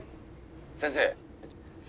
先生